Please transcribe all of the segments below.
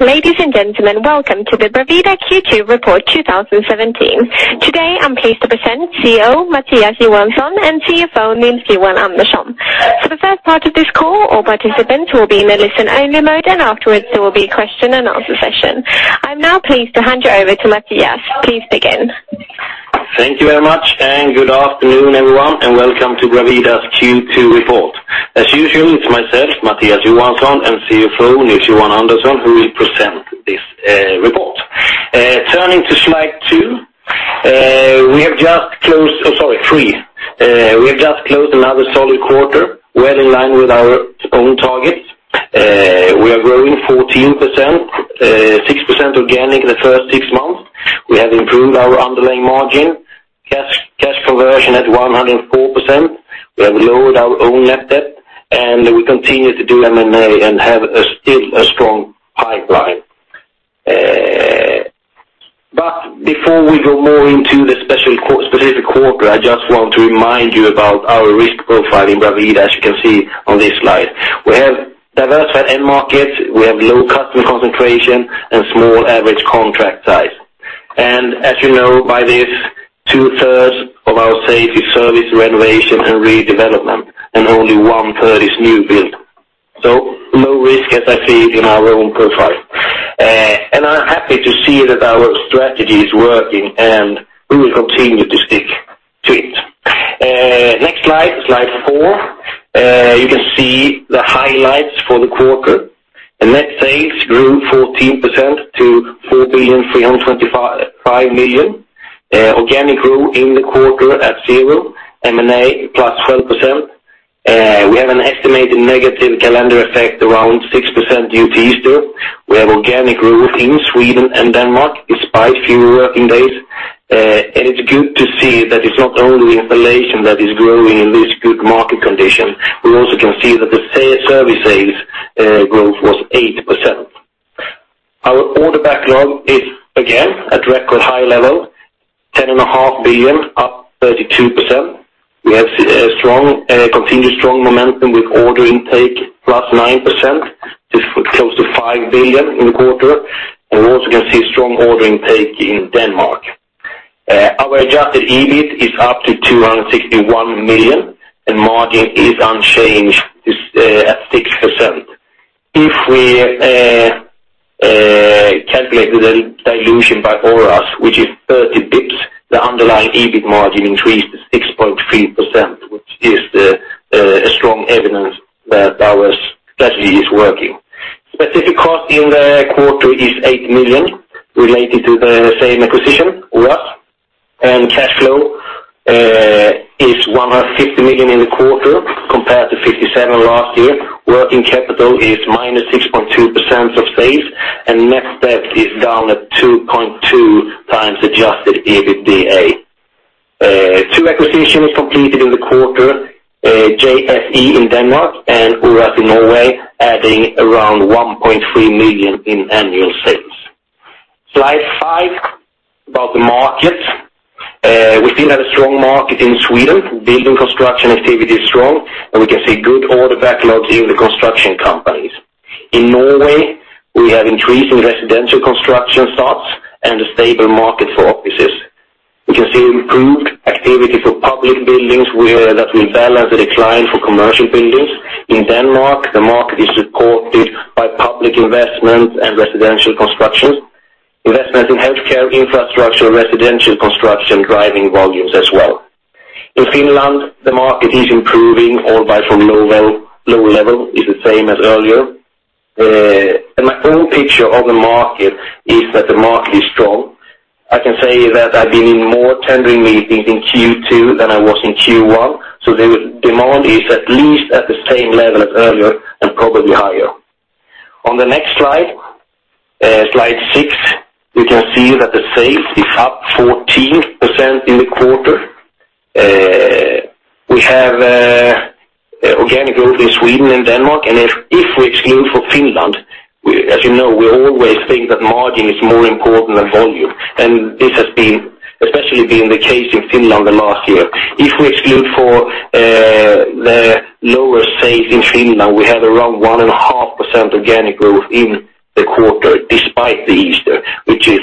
Ladies and gentlemen, welcome to the Bravida Q2 Report 2017. Today, I'm pleased to present CEO, Mattias Johansson, and CFO, Nils-Johan Andersson. For the first part of this call, all participants will be in a listen-only mode, and afterwards, there will be a question and answer session. I'm now pleased to hand you over to Mattias. Please begin. Thank you very much, good afternoon, everyone, and welcome to Bravida's Q2 report. As usual, it's myself, Mattias Johansson, and CFO Nils-Johan Andersson, who will present this report. Turning to slide 2, we have just closed. Oh, sorry, 3. We have just closed another solid quarter, well in line with our own targets. We are growing 14%, 6% organic in the first 6 months. We have improved our underlying margin, cash conversion at 104%. We have lowered our own net debt. We continue to do M&A and have still a strong pipeline. Before we go more into the specific quarter, I just want to remind you about our risk profile in Bravida, as you can see on this slide. We have diversified end markets, we have low customer concentration, small average contract size. As you know, by this, two-thirds of our sales is service, renovation, and redevelopment, and only one-third is new build. Low risk, as I see it, in our own profile. I'm happy to see that our strategy is working, and we will continue to stick to it. Next Slide 4, you can see the highlights for the quarter. The net sales grew 14% to 4 billion, 325 million. Organic growth in the quarter at 0, M&A, plus 12%. We have an estimated negative calendar effect, around 6% due to Easter. We have organic growth in Sweden and Denmark, despite fewer working days. It's good to see that it's not only installation that is growing in this good market condition. We also can see that the service sales growth was 8%. Our order backlog is, again, at record high level, 10.5 billion, up 32%. We have continued strong momentum with order intake, plus 9%, this close to 5 billion in the quarter. We're also going to see strong order intake in Denmark. Our adjusted EBIT is up to 261 million, and margin is unchanged, is at 6%. If we calculate the dilution by Oras, which is 30 basis points, the underlying EBIT margin increased to 6.3%, which is a strong evidence that our strategy is working. Specific cost in the quarter is 8 million, related to the same acquisition, Oras. Cash flow is 150 million in the quarter, compared to 57 million last year. Working capital is -6.2% of sales. Net debt is down at 2.2x adjusted EBITDA. Two acquisitions completed in the quarter, JFE in Denmark and Oras in Norway, adding around 1.3 million in annual sales. Slide 5, about the markets. We still have a strong market in Sweden. Building construction activity is strong. We can see good order backlogs in the construction companies. In Norway, we have increasing residential construction starts and a stable market for offices. We can see improved activity for public buildings, where that will balance the decline for commercial buildings. In Denmark, the market is supported by public investment and residential construction. Investments in healthcare, infrastructure, residential construction, driving volumes as well. In Finland, the market is improving, albeit from low, low level, is the same as earlier. My own picture of the market, is that the market is strong. I can say that I've been in more tendering meetings in Q2 than I was in Q1, the demand is at least at the same level as earlier and probably higher. On the next Slide 6, you can see that the sales is up 14% in the quarter. We have organic growth in Sweden and Denmark, if we exclude for Finland, we, as you know, we always think that margin is more important than volume. This has been, especially been the case in Finland in the last year. If we exclude for the lower sales in Finland, we have around 1.5% organic growth in the quarter, despite the Easter, which is,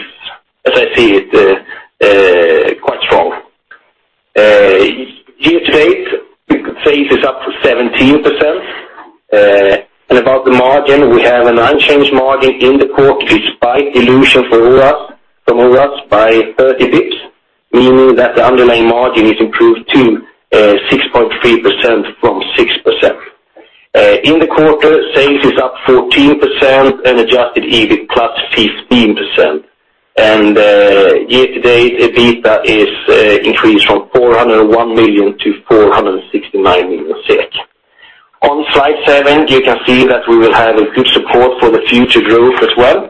as I see it, quite strong. Year to date, sales is up to 17%, and about the margin, we have an unchanged margin in the quarter, despite dilution for Oras, from Oras by 30 bps, meaning that the underlying margin is improved to 6.3% from 6%. In the quarter, sales is up 14% and adjusted EBIT plus 15%. Year to date, EBITDA is increased from 401 million to 469 million SEK. On slide seven, you can see that we will have a good support for the future growth as well.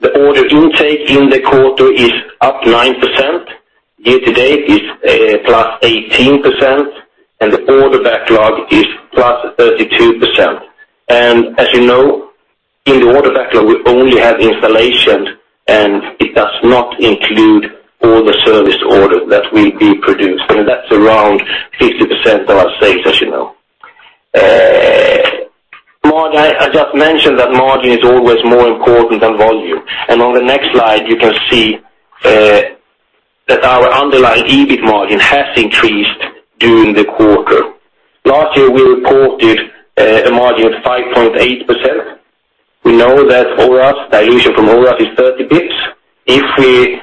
The order intake in the quarter is up 9%. Year to date is plus 18%, and the order backlog is plus 32%. As you know, in the order backlog, we only have installation, and it does not include all the service orders that we produce, and that's around 50% of our. Margin, I just mentioned that margin is always more important than volume. On the next slide, you can see that our underlying EBIT margin has increased during the quarter. Last year, we reported a margin of 5.8%. We know that Oras, dilution from Oras is 30 bps. If we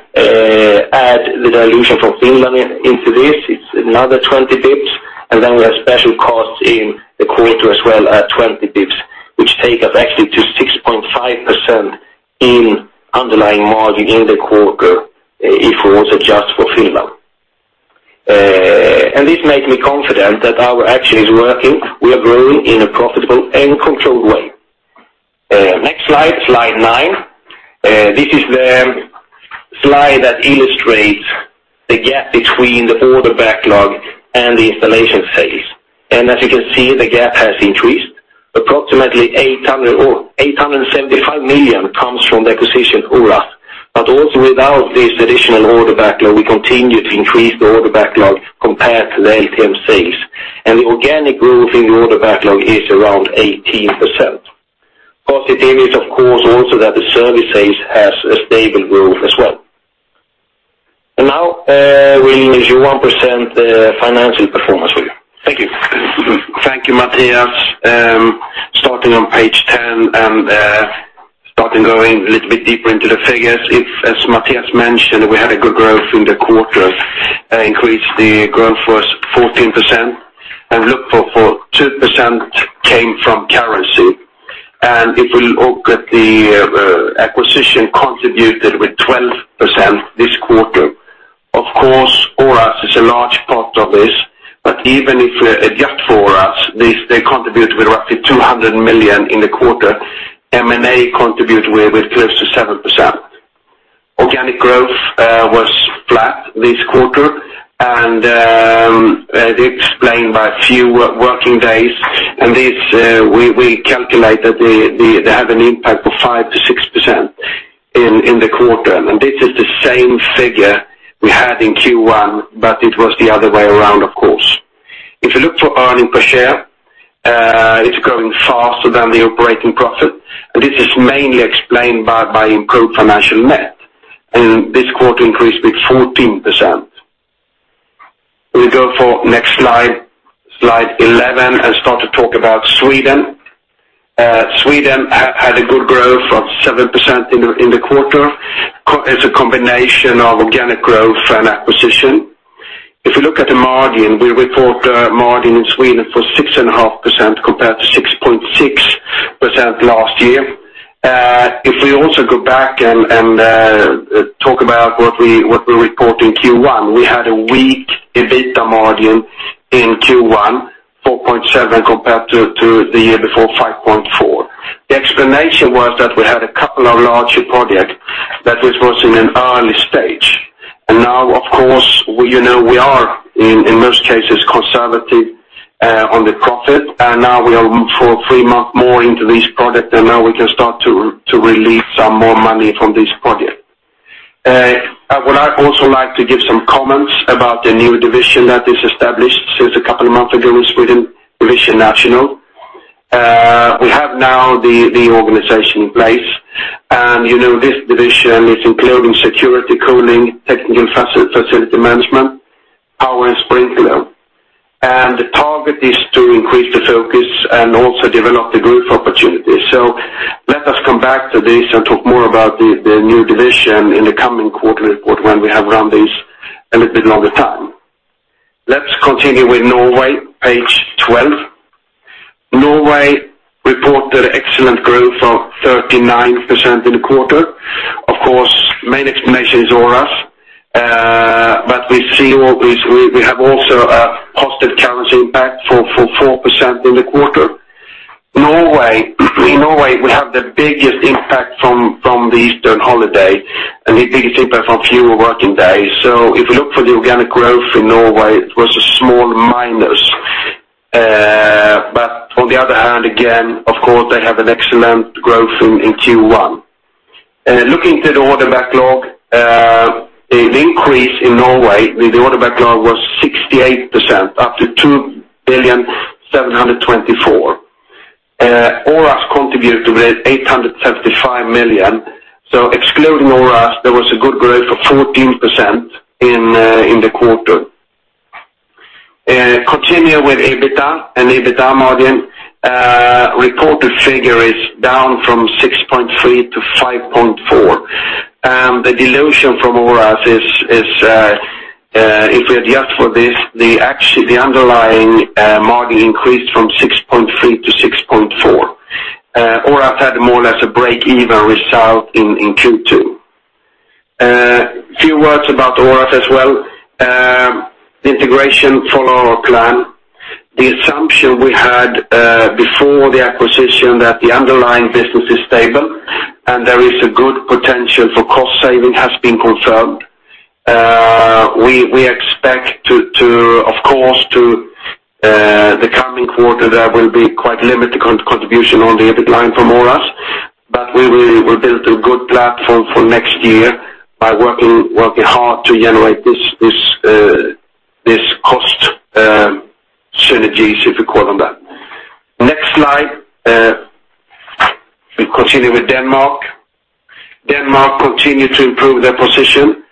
add the dilution from Finland into this, it's another 20 bps, then we have special costs in the quarter as well at 20 bps, which take us actually to 6.5% in underlying margin in the quarter, if it was adjusted for Finland. This makes me confident that our action is working. We are growing in a profitable and controlled way. Next slide 9. This is the slide that illustrates the gap between the order backlog and the installation phase. As you can see, the gap has increased. Approximately 800 million or 875 million comes from the acquisition, Oras. Also without this additional order backlog, we continue to increase the order backlog compared to the LTM sales. The organic growth in the order backlog is around 18%. Positive is, of course, also that the service sales has a stable growth as well. Now, we need your 1% financial performance review. Thank you. Thank you, Mattias. Starting on page 10, starting going a little bit deeper into the figures. If, as Mattias mentioned, we had a good growth in the quarter, the growth was 14%. 2% came from currency, and acquisition contributed with 12% this quarter. Of course, Oras is a large part of this, but even if we adjust for Oras, they contributed with roughly 200 million in the quarter. M&A contributed with close to 7%. Organic growth was flat this quarter, explained by a few working days, and we calculate that they have an impact of 5%-6% in the quarter. This is the same figure we had in Q1, but it was the other way around, of course. If you look for earning per share, it's growing faster than the operating profit. This is mainly explained by improved financial net. This quarter increased with 14%. We go for next slide 11, and start to talk about Sweden. Sweden had a good growth of 7% in the quarter. It's a combination of organic growth and acquisition. If you look at the margin, we report margin in Sweden for 6.5%, compared to 6.6% last year. If we also go back and talk about what we report in Q1, we had a weak EBITDA margin in Q1, 4.7%, compared to the year before, 5.4%. The explanation was that we had a couple of larger projects that was in an early stage. Now, of course, we, you know, we are in most cases conservative on the profit, and now we are for three months more into this project, and now we can start to release some more money from this project. What I'd also like to give some comments about the new division that is established since a couple of months ago in Sweden, Division National. We have now the organization in place, and, you know, this division is including security, cooling, technical facility management, power and sprinkler. The target is to increase the focus and also develop the growth opportunities. Let us come back to this and talk more about the new division in the coming quarter report when we have run this a little bit longer time. Let's continue with Norway, Page 12. Norway reported excellent growth of 39% in the quarter. Of course, main explanation is Oras, but we see all this, we have also a positive currency impact for 4% in the quarter. Norway, in Norway, we have the biggest impact from the Eastern holiday, and the biggest impact from fewer working days. If you look for the organic growth in Norway, it was a small minus. But on the other hand, again, of course, they have an excellent growth in Q1. Looking to the order backlog, the increase in Norway, the order backlog was 68%, up to 2,000,000,724. Oras contributed to 875 million. Excluding Oras, there was a good growth of 14% in the quarter. Continue with EBITDA and EBITDA margin. Reported figure is down from 6.3 to 5.4. The dilution from Oras is, if we adjust for this, the actually, the underlying margin increased from 6.3 to 6.4. Oras had more or less a break-even result in Q2. Few words about Oras as well. The integration follow our plan. The assumption we had before the acquisition that the underlying business is stable and there is a good potential for cost saving, has been confirmed. We expect to, of course, to the coming quarter, there will be quite limited contribution on the EBITDA. We built a good platform for next year by working hard to generate this cost synergies, if you call on that. Next slide, we continue with Denmark. Denmark continued to improve their position.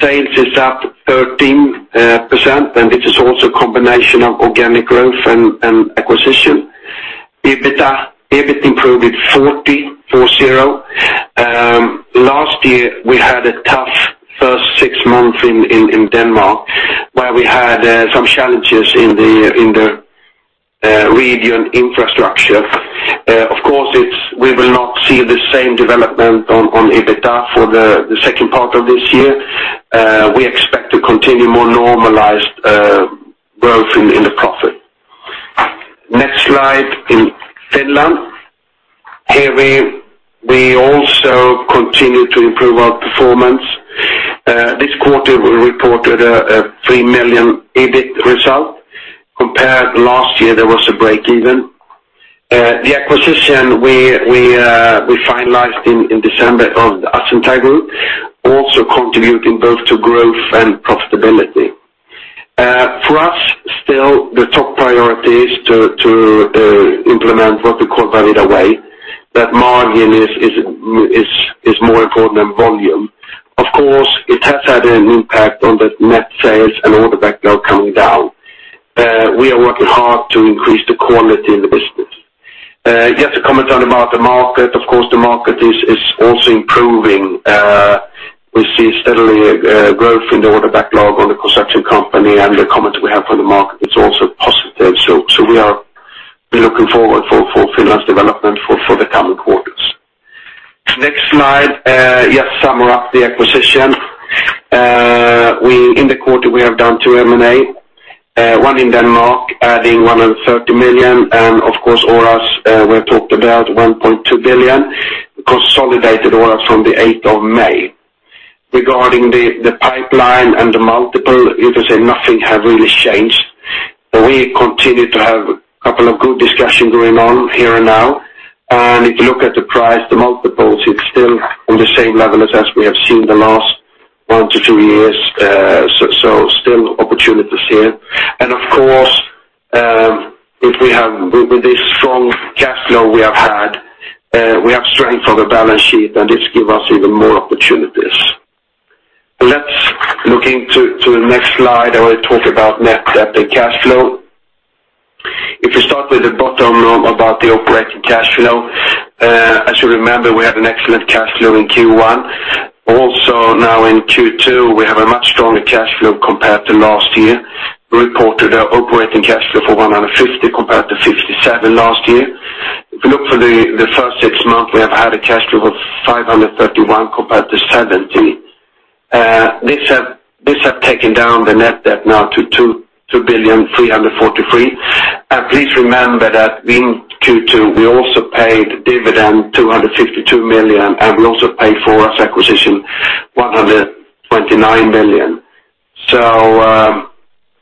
Sales is up 13%, and it is also a combination of organic growth and acquisition. EBITDA, EBIT improved 40%. Last year, we had a tough first 6 months in Denmark, where we had some challenges in the region infrastructure. Of course, we will not see the same development on EBITDA for the second part of this year. We expect to continue more normalized growth in the profit. Next slide, in Finland. Here, we also continue to improve our performance. This quarter, we reported a 3 million EBIT result. Compared last year, there was a break even. The acquisition we finalized in December of the Asentaja Group, also contributing both to growth and profitability. For us, still, the top priority is to implement what we call Bravida Way, that margin is more important than volume. Of course, it has had an impact on the net sales and order backlog coming down. We are working hard to increase the quality in the business. Just to comment on about the market, of course, the market is also improving. We see steadily growth in the order backlog on the construction company. The comments we have from the market is also positive. We are looking forward for Finland's development for the coming quarters. Next slide, just sum up the acquisition. We, in the quarter, we have done 2 M&A, one in Denmark, adding 130 million. Of course, Oras, we have talked about 1.2 billion, consolidated Oras from the 8th of May. Regarding the pipeline and the multiple, you can say nothing have really changed. We continue to have a couple of good discussions going on here and now. If you look at the price, the multiples, it's still on the same level as we have seen the last one to two years, still opportunities here. Of course, if we have, with this strong cash flow we have had, we have strength on the balance sheet, and this give us even more opportunities. Let's looking to the next slide, I will talk about net debt and cash flow. If you start with the bottom about the operating cash flow, as you remember, we had an excellent cash flow in Q1. Also, now in Q2, we have a much stronger cash flow compared to last year. We reported our operating cash flow for 150, compared to 57 last year. If you look for the first six months, we have had a cash flow of 531 compared to 70. This have taken down the net debt now to 2.343 billion. Please remember that in Q2, we also paid dividend 252 million, and we also paid for Oras acquisition 129 million.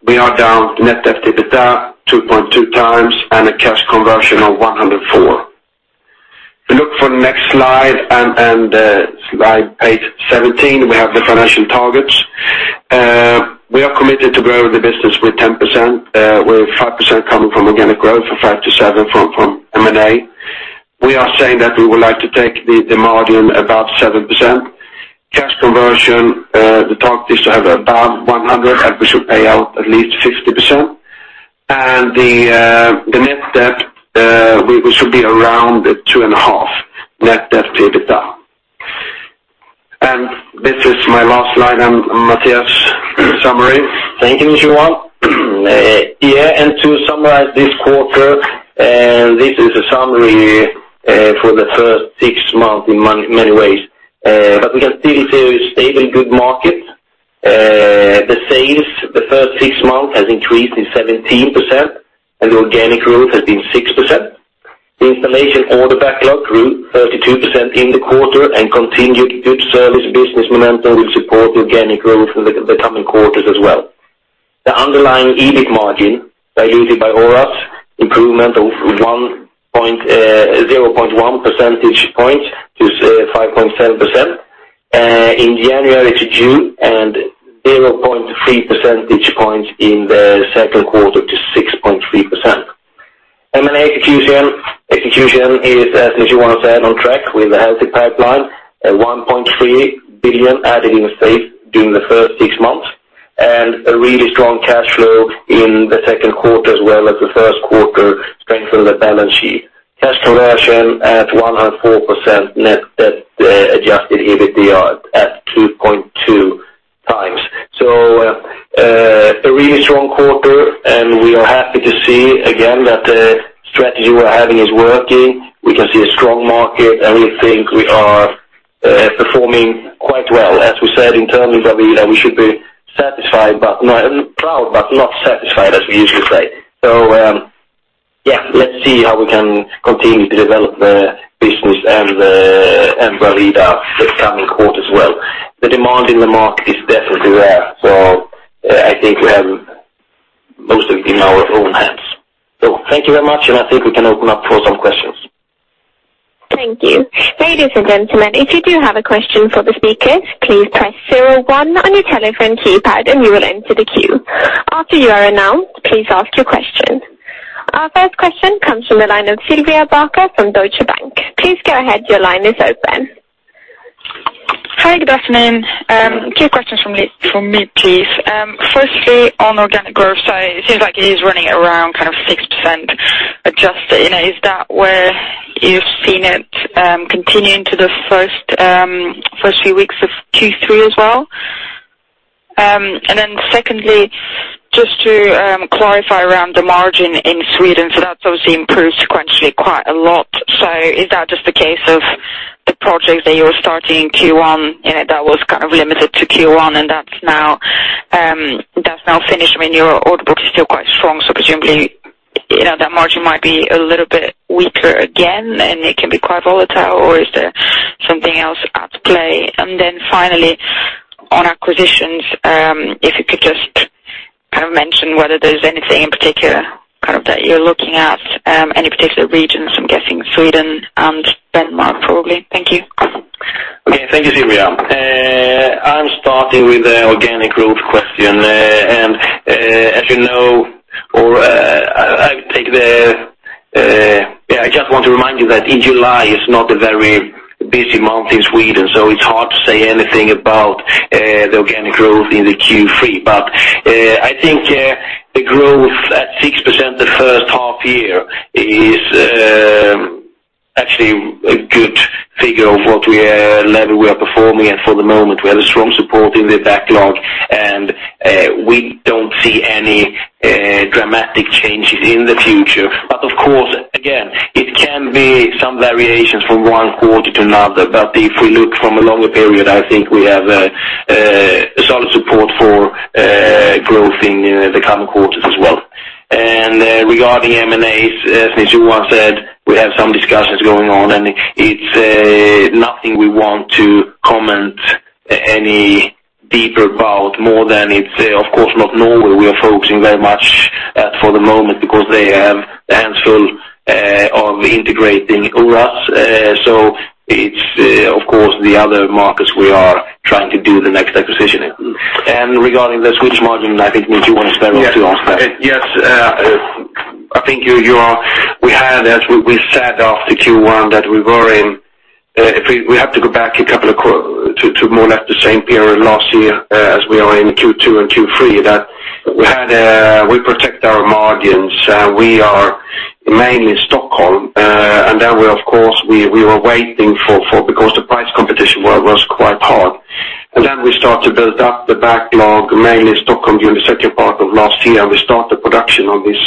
We are down net debt to EBITDA 2.2 times and a cash conversion of 104%. If you look for the next slide and slide page 17, we have the financial targets. We are committed to grow the business with 10%, with 5% coming from organic growth and 5%-7% from M&A. We are saying that we would like to take the margin about 7%. Cash conversion, the target is to have about 100. We should pay out at least 50%. The net debt, we should be around 2.5, net debt to EBITDA. This is my last slide, and Mattias, summary. Thank you, Johan. Yeah, to summarize this quarter, this is a summary for the first six months in many, many ways. We can still see a stable, good market. The sales, the first six months has increased to 17%, organic growth has been 6%. The installation order backlog grew 32% in the quarter, continued good service business momentum will support organic growth in the coming quarters as well. The underlying EBIT margin, diluted by Oras, improvement of 0.1 percentage point to 5.7% in January to June, 0.3 percentage points in the second quarter to 6.3%. M&A execution is, as Johan said, on track with a healthy pipeline, 1.3 billion added in the space during the first six months, and a really strong cash flow in Q2, as well as Q1, strengthen the balance sheet. Cash conversion at 104%, net debt adjusted EBITDA at 2.2 times. A really strong quarter, and we are happy to see again that the strategy we are having is working. We can see a strong market, and we think we are performing quite well. As we said, in terms of we, that we should be proud, but not satisfied, as we usually say. Yeah, let's see how we can continue to develop the business and Bravida the coming quarters well. The demand in the market is definitely there. Thank you very much. I think we can open up for some questions. Thank you. Ladies and gentlemen, if you do have a question for the speakers, please press zero-one on your telephone keypad, and you will enter the queue. After you are announced, please ask your question. Our first question comes from the line of Sylvia Barker from Deutsche Bank. Please go ahead. Your line is open. Hi, good afternoon. Two questions from me, please. Firstly, on organic growth, it seems like it is running around kind of 6% adjusted. You know, is that where you've seen it, continuing to the first few weeks of Q3 as well? Secondly, just to clarify around the margin in Sweden, that's obviously improved sequentially quite a lot. Is that just a case of the project that you were starting in Q1, and that was kind of limited to Q1, and that's now finished, I mean, your order book is still quite strong, presumably, you know, that margin might be a little bit weaker again, and it can be quite volatile, or is there something else at play? Finally, on acquisitions, if you could just kind of mention whether there's anything in particular, kind of, that you're looking at, any particular regions, I'm guessing Sweden and Denmark, probably. Thank you. Okay, thank you, Sylvia. I'm starting with the organic growth question. As you know, or, Yeah, I just want to remind you that in July is not a very busy month in Sweden, so it's hard to say anything about the organic growth in the Q3. I think the growth at 6% the first half year is actually a good figure of what we level we are performing. For the moment, we have a strong support in the backlog, and we don't see any dramatic changes in the future. Of course, again, it can be some variations from one quarter to another. If we look from a longer period, I think we have a solid support for growth in the coming quarters as well. Regarding M&As, as Nils-Johan said, we have some discussions going on, and it's nothing we want to comment any deeper about, more than it's, of course, not Norway. We are focusing very much for the moment because they have a handful of integrating Oras. It's, of course, the other markets we are trying to do the next acquisition. Regarding the switch margin, I think Nils-Johan want to expand on that. Yes, I think you we had, as we said, after Q1, that we were in, if we have to go back a couple of To more or less the same period last year, as we are in Q2 and Q3, that we had, we protect our margins, and we are mainly Stockholm, and then we, of course, we were waiting for. The price competition was quite hard. We start to build up the backlog, mainly Stockholm, during the second part of last year. We start the production on these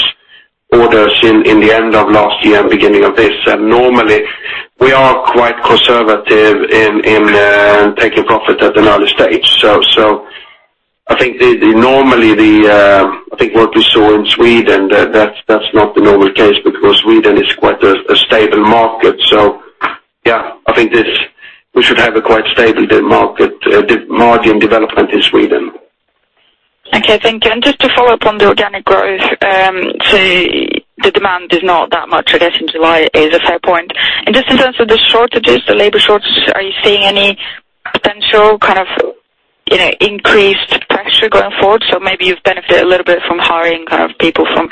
orders in the end of last year and beginning of this. Normally, we are quite conservative in taking profit at an early stage. I think the normally the, I think what we saw in Sweden, that's not the normal case because Sweden is quite a stable market. Yeah, I think this, we should have a quite stable market margin development in Sweden. Okay, thank you. Just to follow up on the organic growth, the demand is not that much, I guess, in July is a fair point. Just in terms of the shortages, the labor shortages, are you seeing any potential kind of, you know, increased pressure going forward? Maybe you've benefited a little bit from hiring kind of people from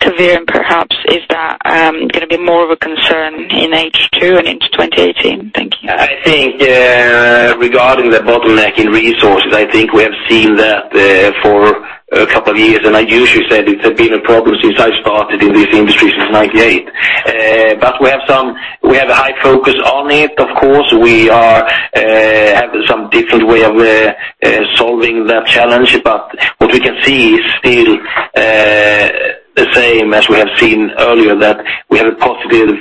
Caverion, perhaps. Is that gonna be more of a concern in H2 and into 2018? Thank you. I think, regarding the bottleneck in resources, I think we have seen that, for a couple of years, and I usually said it had been a problem since I started in this industry, since 98. We have a high focus on it, of course. We are, have some different way of, solving that challenge, but what we can see is still, the same as we have seen earlier, that we have a positive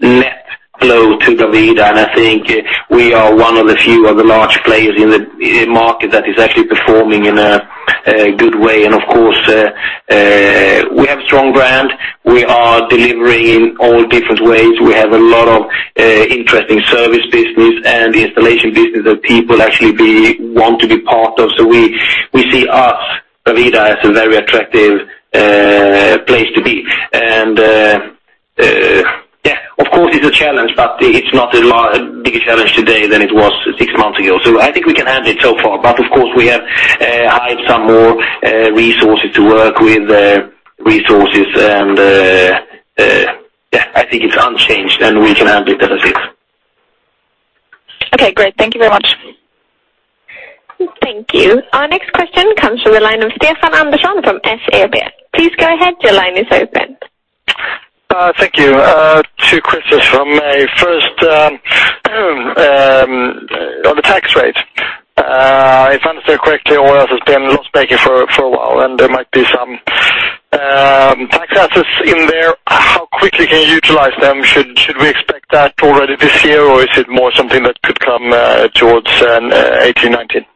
net flow to Bravida, and I think we are one of the few of the large players in the, in market that is actually performing in a good way. Of course, we have strong brand. We are delivering in all different ways. We have a lot of interesting service business and installation business that people actually want to be part of. We, we see us, Bravida, as a very attractive place to be. Yeah, of course, it's a challenge, but it's not a big a challenge today than it was six months ago. I think we can handle it so far, but of course, we have hired some more resources to work with resources and, yeah, I think it's unchanged, and we can handle it as is. Okay, great. Thank you very much. Thank you. Our next question comes from the line of Stefan Andersson from SEB. Please go ahead, your line is open. Thank you. Two questions from me. First, on the tax rate. If I understand correctly, Oras has been loss-making for a while, and there might be some tax assets in there. How quickly can you utilize them? Should we expect that already this year, or is it more something that could come towards 2018, 2019?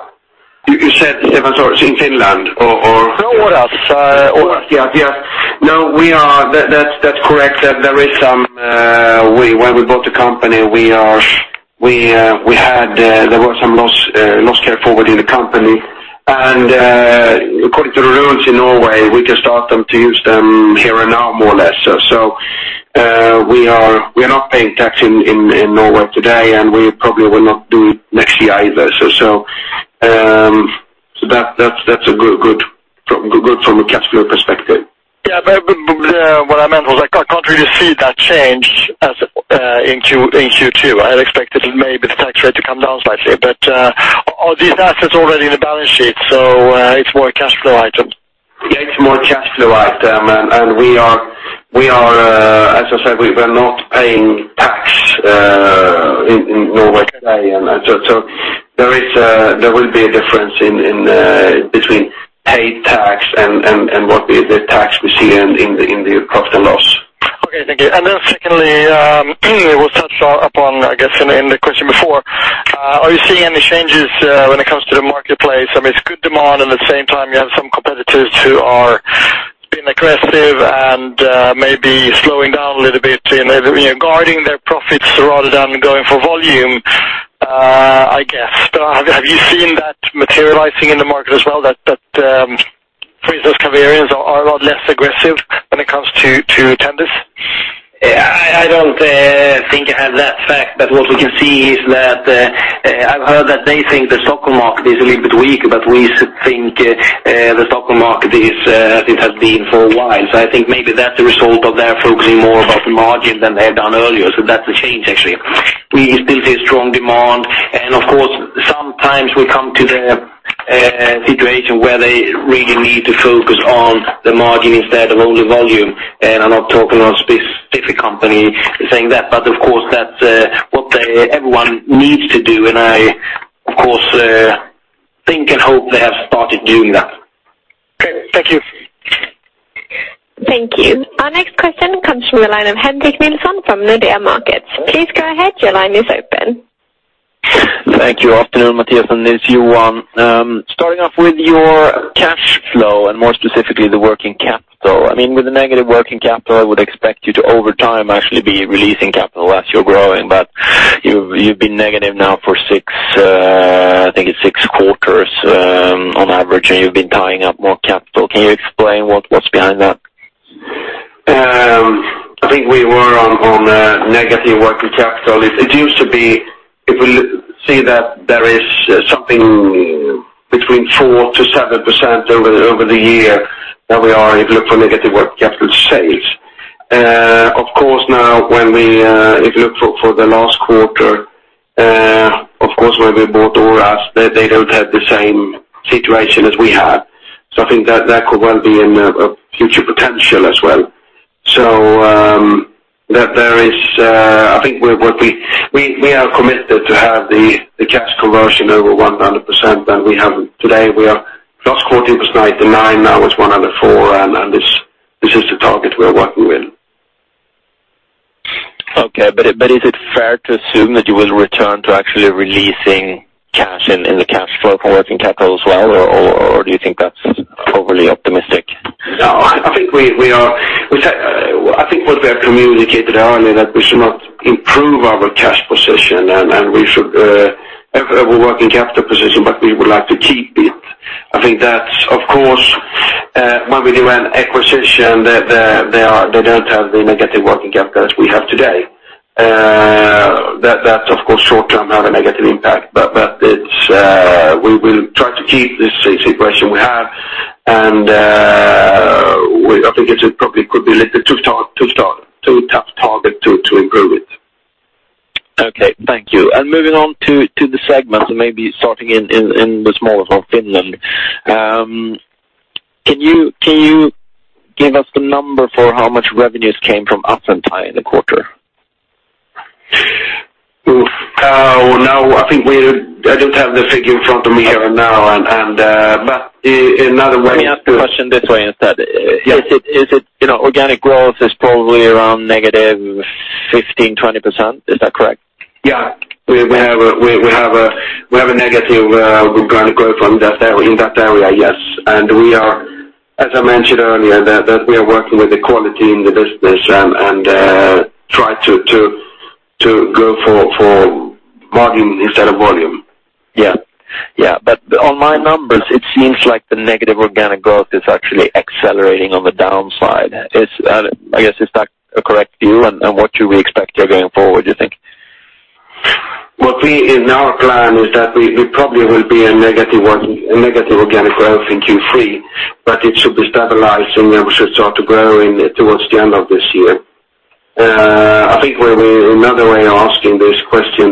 You said, Stefan, in Finland or? No, Oras. Oras. Yes. No. That's correct. There is some. When we bought the company, We had, there was some loss carryforward in the company, and, according to the rules in Norway, we can start them to use them here and now, more or less. We are not paying tax in Norway today, and we probably will not do next year either. That, that's a good, good from a cash flow perspective. Yeah, what I meant was, I can't really see that change as in Q2. I had expected maybe the tax rate to come down slightly, but are these assets already in the balance sheet, so it's more a cash flow item? Yeah, it's more cash flow item, and we are, as I said, we were not paying tax, in Norway today, and so there will be a difference in between paid tax and what the tax we see in the cost and loss. Okay, thank you. Then secondly, we'll touch upon, I guess, in the question before. Are you seeing any changes when it comes to the marketplace? I mean, it's good demand, at the same time, you have some competitors who are being aggressive and maybe slowing down a little bit, and they, you know, guarding their profits rather than going for volume, I guess. Have you seen that materializing in the market as well? That, for instance, Caverion are a lot less aggressive when it comes to tenders? I don't think I have that fact. What we can see is that I've heard that they think the Stockholm market is a little bit weak. We think the Stockholm market is as it has been for a while. I think maybe that's the result of their focusing more about the margin than they had done earlier. That's a change, actually. We still see a strong demand. Of course, sometimes we come to the situation where they really need to focus on the margin instead of only volume. I'm not talking on a specific company saying that, but of course, that's what everyone needs to do. I, of course, think and hope they have started doing that. Okay. Thank you. Thank you. Our next question comes from the line of Henrik Nilsson from Nordea Markets. Please go ahead. Your line is open. Thank you. Afternoon, Mattias, and this is Johan. Starting off with your cash flow and more specifically, the working capital. I mean, with the negative working capital, I would expect you to, over time, actually be releasing capital as you're growing, but you've been negative now for six, I think it's six quarters, on average, and you've been tying up more capital. Can you explain what's behind that? I think we were on negative working capital. It used to be, if we see that there is something between 4%-7% over the year, that we are, if you look for negative working capital sales. Of course, now, when we, if you look for the last quarter, of course, when we bought Oras, they don't have the same situation as we had. I think that could well be in a future potential as well. I think what we are committed to have the cash conversion over 100%, we have today, last quarter was 99, now it's 104, this is the target we are working with. Okay, is it fair to assume that you will return to actually releasing cash in the cash flow from working capital as well, or do you think that's overly optimistic? I think we are, I think what we have communicated early, that we should not improve our cash position, and we should, our working capital position, but we would like to keep it. I think that's, of course, when we do an acquisition, they are, they don't have the negative working capital as we have today. That's, of course, short term, have a negative impact, but it's, we will try to keep this same situation we have, and I think it's probably could be little too tough target to improve it. Okay. Thank you. Moving on to the segments, maybe starting in the smallest one, Finland. Can you give us the number for how much revenues came from Asentaja in the quarter? I think I don't have the figure in front of me here and now, and, but in other way. Let me ask the question this way, instead. Yeah. Is it, you know, organic growth is probably around negative 15%-20%? Is that correct? Yeah. We have a negative organic growth on that area, in that area, yes. We are, as I mentioned earlier, that we are working with the quality in the business, try to go for margin instead of volume. Yeah. Yeah, on my numbers, it seems like the negative organic growth is actually accelerating on the downside. Is, I guess, is that a correct view, and what should we expect here going forward, do you think? What we, in our plan is that we probably will be in negative one, a negative organic growth in Q3. It should be stabilized, we should start growing towards the end of this year. I think another way of asking this question,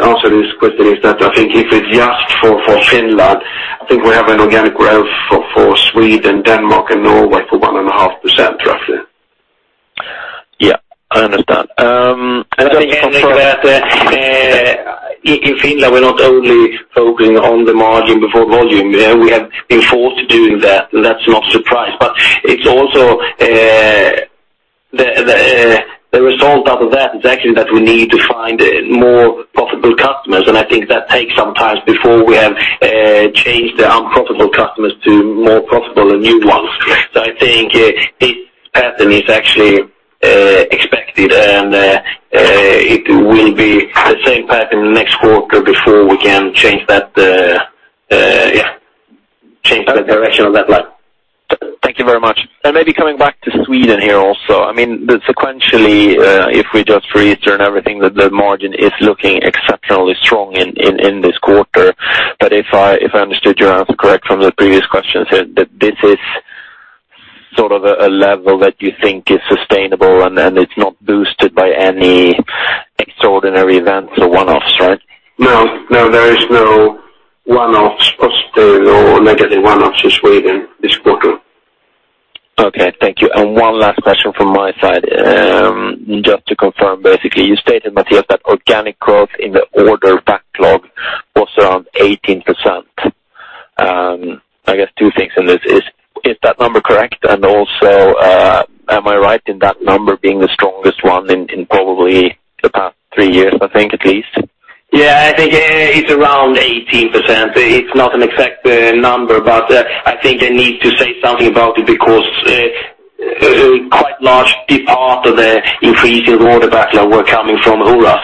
answer this question is that, I think if it's just for Finland, I think we have an organic growth for Sweden, Denmark and Norway, for one and a half %, roughly. Yeah, I understand. I think that in Finland, we're not only focusing on the margin before volume. We have been forced to doing that, and that's not surprise, but it's also the result out of that is actually that we need to find more profitable customers, and I think that takes some times before we have more profitable than new ones. I think this pattern is actually expected, and it will be the same pattern next quarter before we can change that, yeah, change the direction of that line. Thank you very much. Maybe coming back to Sweden here also, I mean, sequentially, if we just reach and everything, the margin is looking exceptionally strong in, in this quarter. If I, if I understood your answer correct from the previous questions, that this is sort of a level that you think is sustainable and it's not boosted by any extraordinary events or one-offs, right? No. No, there is no one-offs or no negative one-offs in Sweden this quarter. Okay, thank you. One last question from my side. Just to confirm, basically, you stated, Mattias, that organic growth in the order backlog was around 18%. I guess two things in this, is that number correct? And also, am I right in that number being the strongest one in probably the past 3 years, I think, at least? I think it's around 18%. It's not an exact number. I think I need to say something about it, because quite large part of the increase in order backlog were coming from Oras.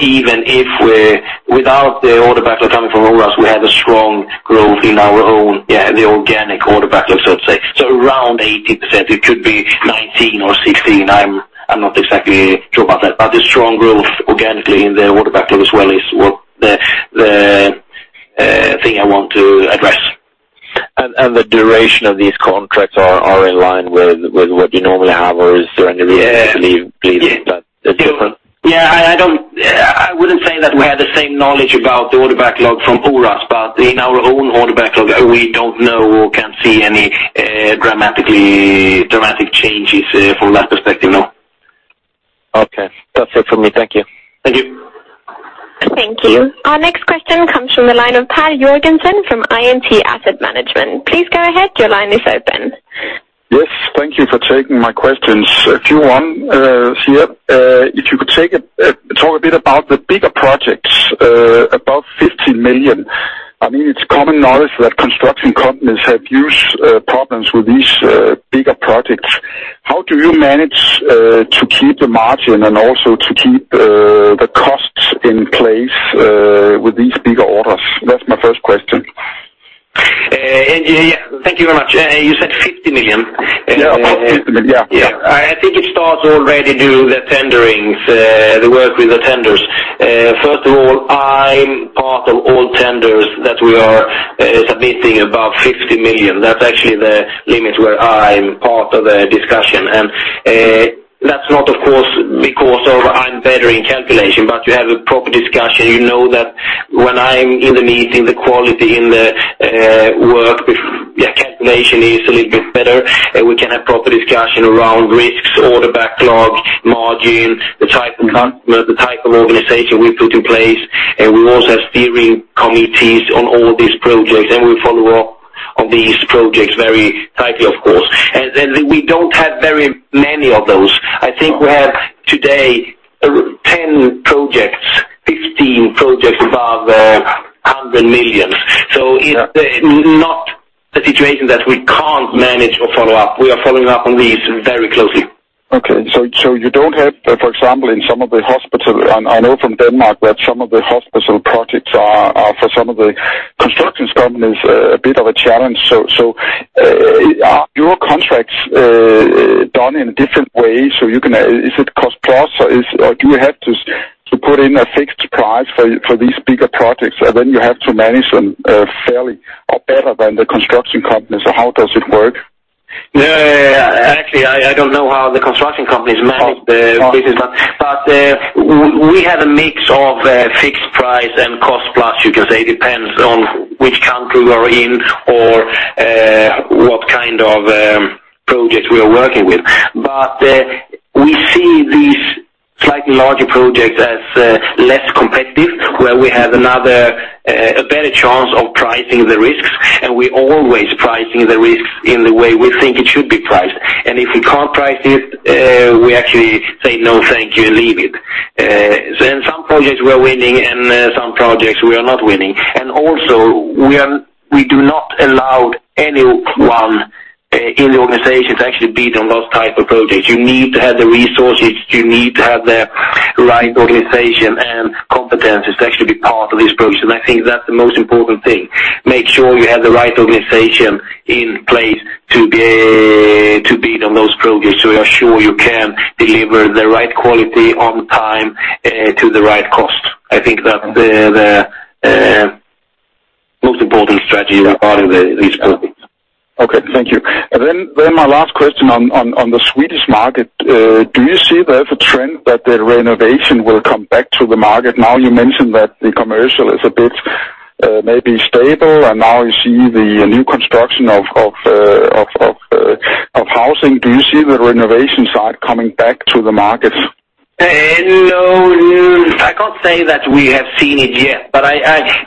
Even if without the order backlog coming from Oras, we had a strong growth in our own, yeah, the organic order backlog, so to say. Around 18%, it could be 19 or 16. I'm not exactly sure about that. The strong growth organically in the order backlog as well, is what the thing I want to address. The duration of these contracts are in line with what you normally have, or is there any reason to believe that it's different? Yeah, I wouldn't say that we have the same knowledge about the order backlog from Oras, but in our own order backlog, we don't know or can't see any dramatic changes from that perspective, no. Okay. That's it for me. Thank you. Thank you. Thank you. Our next question comes from the line of Pat Jörgensen from IMT Asset Management. Please go ahead. Your line is open. Yes, thank you for taking my questions. A few one here, if you could take a talk a bit about the bigger projects, above 50 million. I mean, it's common knowledge that construction companies have huge problems with these bigger projects. How do you manage to keep the margin and also to keep the costs in place with these bigger orders? That's my first question. Yeah, thank you very much. You said 50 million? Yeah, about 50 million. Yeah. Yeah. I think it starts already during the tendering, the work with the tenders. First of all, I'm part of all tenders that we are submitting above 50 million. That's actually the limit where I'm part of the discussion. That's not, of course, because of I'm better in calculation, but you have a proper discussion. You know that when I'm in the meeting, the quality in the work, calculation is a little bit better, and we can have proper discussion around risks, order backlogs, margin, the type of customer, the type of organization we put in place, and we also have steering committees on all these projects, and we follow up on these projects very tightly, of course. We don't have very many of those. I think we have today, 10 projects, 15 projects above 100 million. Yeah. It's not a situation that we can't manage or follow up. We are following up on these very closely. Okay. You don't have, for example, in some of the hospital, and I know from Denmark that some of the hospital projects are for some of the constructions companies, a bit of a challenge. Are your contracts done in different ways, so you can, is it cost plus, or do you have to put in a fixed price for these bigger projects, and then you have to manage them fairly or better than the constructions companies, or how does it work? Actually, I don't know how the construction companies manage the business, but we have a mix of fixed price and cost plus, you can say, depends on which country we are in or what kind of projects we are working with. We see these slightly larger projects as less competitive, where we have another, a better chance of pricing the risks, and we're always pricing the risks in the way we think it should be priced. If we can't price it, we actually say, "No, thank you," and leave it. Some projects we're winning and some projects we are not winning. We do not allow anyone in the organization to actually bid on those type of projects. You need to have the resources, you need to have the right organization and competencies to actually be part of this project. I think that's the most important thing, make sure you have the right organization in place to be to bid on those projects, so you are sure you can deliver the right quality on time, to the right cost. I think that's the most important strategy as part of these projects. Okay, thank you. My last question on the Swedish market, do you see there's a trend that the renovation will come back to the market? Now, you mentioned that the commercial is a bit maybe stable, you see the new construction of housing. Do you see the renovation side coming back to the market? No, I can't say that we have seen it yet, but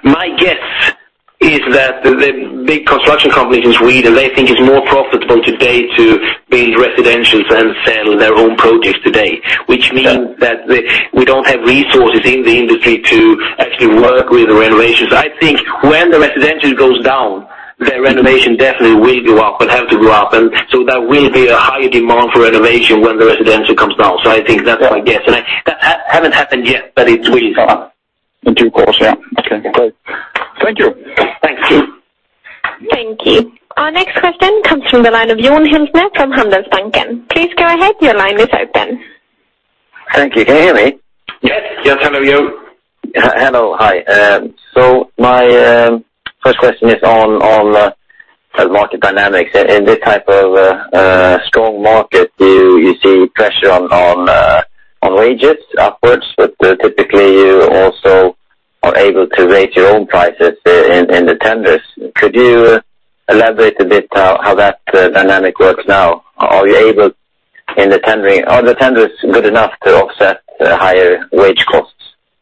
my guess is that the big construction companies in Sweden, they think it's more profitable today to build residentials and sell their homes. Which means that we don't have resources in the industry to actually work with the renovations. I think when the residential goes down, the renovation definitely will go up, but have to go up. There will be a high demand for renovation when the residential comes down. I think that's my guess, and that hasn't happened yet, but it will. In due course, yeah. Okay, great. Thank you. Thanks. Thank you. Our next question comes from the line of Johan Helldahl from Handelsbanken. Please go ahead, your line is open. Thank you. Can you hear me? Yes. Yes, hello, Johan. Hello, hi. My first question is on the market dynamics. In this type of strong market, do you see pressure on wages upwards, but typically, you also are able to raise your own prices in the tenders? Could you elaborate a bit how that dynamic works now? Are you able, in the tendering, are the tenders good enough to offset the higher wage costs?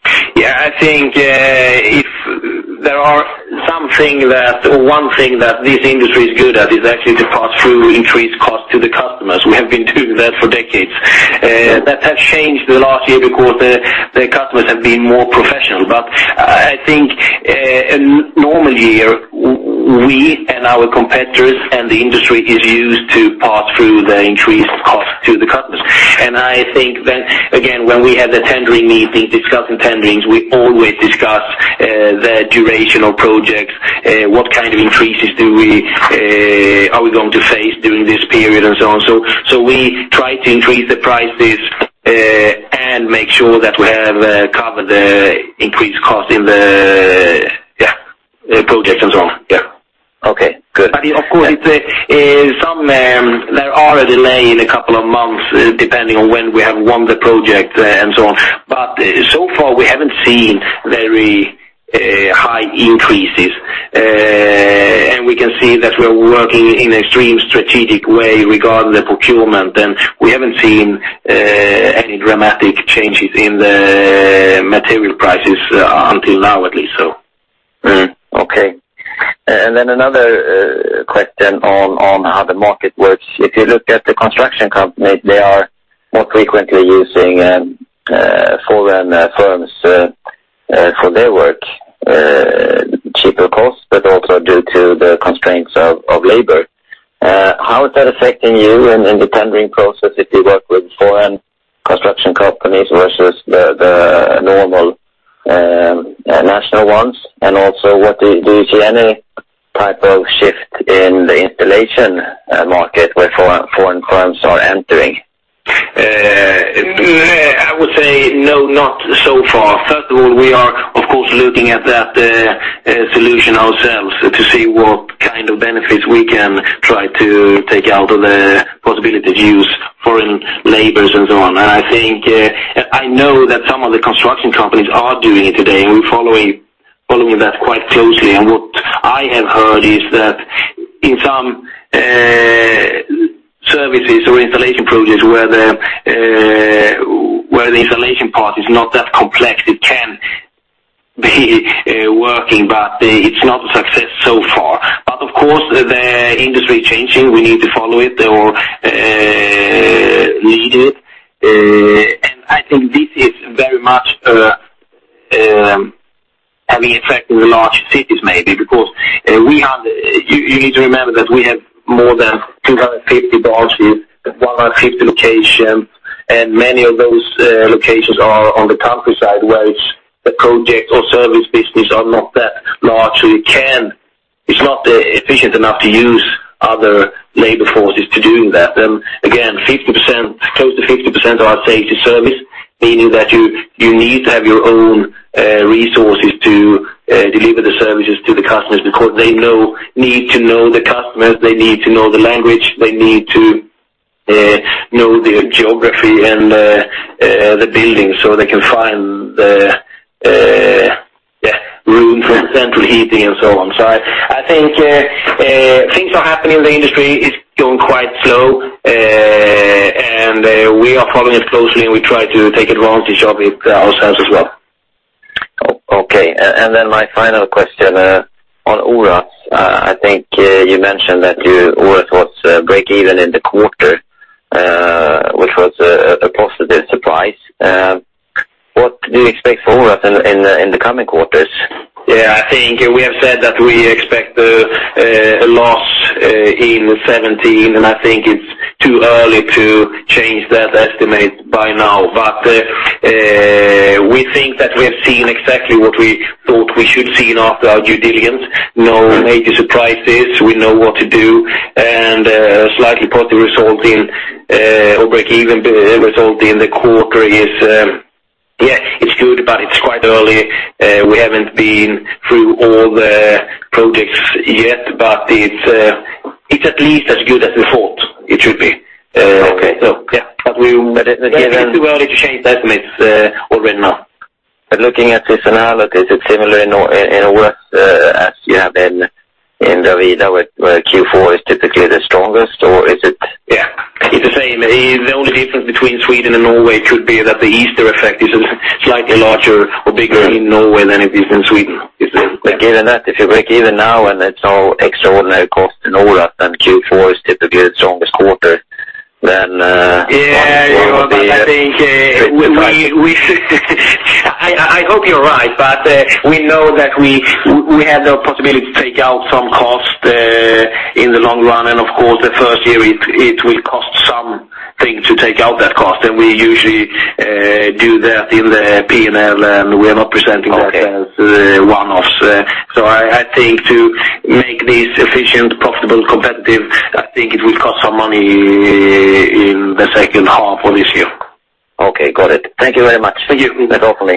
I think, if there are something that or one thing that this industry is good at, is actually to pass through increased cost to the customers. We have been doing that for decades. That has changed in the last year because the customers have been more professional. I think, in normal year, we and our competitors, and the industry is used to pass through the increased cost to the customers. I think, again, when we have the tendering meeting, discussing tenderings, we always discuss the durational projects, what kind of increases do we are we going to face during this period, and so on. We try to increase the prices and make sure that we have covered the increased cost in the projects and so on. Okay, good. Of course, it's a some there are a delay in a couple of months, depending on when we have won the project, and so on. So far, we haven't seen very high increases, and we can see that we're working in extreme strategic way regarding the procurement, and we haven't seen any dramatic changes in the material prices until now, at least, so. Okay. Another question on how the market works. If you look at the construction company, they are more frequently using foreign firms for their work, cheaper costs, but also due to the constraints of labor. How is that affecting you in the tendering process, if you work with foreign construction companies versus the normal national ones? Do you see any type of shift in the installation market, where foreign firms are entering? I would say no, not so far. First of all, we are, of course, looking at that solution ourselves to see what kind of benefits we can try to take out of the possibility to use foreign labors and so on. I think, I know that some of the construction companies are doing it today, and we're following that quite closely. What I have heard is that in some services or installation projects, where the where the installation part is not that complex, it can be working, but it's not a success so far. Of course, the industry is changing, we need to follow it or lead it. I think this is very much having effect in the large cities, maybe because we have... You need to remember that we have more than 250 bosses, 150 location, and many of those locations are on the countryside, where it's the project or service business are not that large. It's not efficient enough to use other labor forces to doing that. Again, 50%, close to 50%, I'd say, is a service, meaning that you need to have your own resources to deliver the services to the customers because they need to know the customers, they need to know the language, they need to know the geography and the building, so they can find the room for central heating and so on. I think things are happening in the industry, it's going quite slow, and we are following it closely, and we try to take advantage of it ourselves as well. Okay, my final question on Oras. I think you mentioned that you, Oras was break even in the quarter, which was a positive surprise. What do you expect for Oras in the coming quarters? I think we have said that we expect a loss in 2017, and I think it's too early to change that estimate by now. We think that we have seen exactly what we thought we should see after our due diligence. No major surprises, we know what to do. Slightly positive results in or break-even result in the quarter is, yeah, it's good, but it's quite early. We haven't been through all the projects yet, but it's at least as good as we thought it should be. Okay. yeah, but. again- It's too early to change the estimates, already now. Looking at this analog, is it similar in Oras, as you have been in Bravida, where Q4 is typically the strongest, or is it? Yeah, it's the same. The only difference between Sweden and Norway should be that the Easter effect is slightly larger or bigger in Norway than it is in Sweden. If you break even now, and there's no extraordinary cost in Oras, then Q4 is typically the strongest quarter, then. Yeah, you know, but I think, we, I hope you're right, but, we know that we had the possibility to take out some costs, in the long run, and of course, the first year it will cost something to take out that cost. We usually, do that in the P&L, and we are not presenting that. Okay. as one-offs. I think to make this efficient, profitable, competitive, I think it will cost some money in the second half of this year. Okay, got it. Thank you very much. Thank you. You're welcome.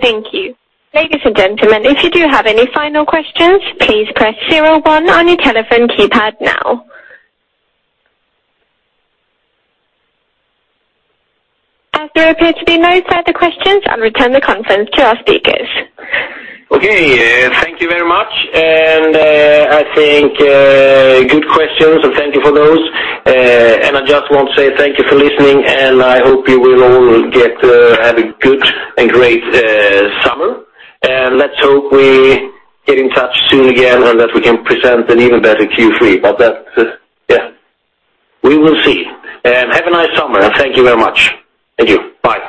Thank you. Ladies and gentlemen, if you do have any final questions, please press 01 on your telephone keypad now. As there appear to be no further questions, I'll return the conference to our speakers. Okay, thank you very much, and I think good questions, and thank you for those. I just want to say thank you for listening, and I hope you will all get have a good and great summer. Let's hope we get in touch soon again, and that we can present an even better Q3. That, yeah, we will see. Have a nice summer, and thank you very much. Thank you. Bye.